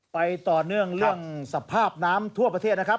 ต่อเนื่องเรื่องสภาพน้ำทั่วประเทศนะครับ